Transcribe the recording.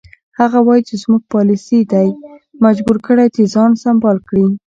هغه وایي زموږ پالیسي دی مجبور کړی چې ځان سمبال کړي.